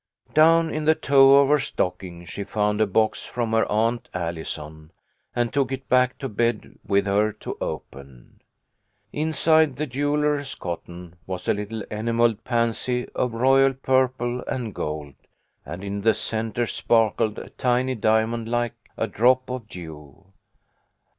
Down in the toe of her stocking she found a box from her Aunt Allison, and took it back to bed with her to open. Inside the jeweller's cotton was a little enamelled pansy of royal purple and gold, and in the centre sparkled a tiny diamond like a drop of dew.